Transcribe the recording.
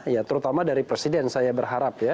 ya terutama dari presiden saya berharap ya